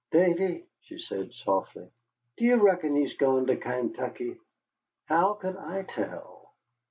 "Davy," she said softly, "do you reckon he's gone to Kaintuckee?" How could I tell?